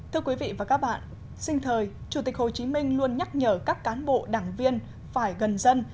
thưa quý vị và các bạn sinh thời chủ tịch hồ chí minh luôn nhắc nhở các cán bộ đảng viên phải gần dân